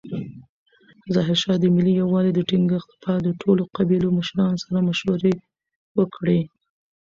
ظاهرشاه د ملي یووالي د ټینګښت لپاره د ټولو قبیلو مشرانو سره مشورې وکړې.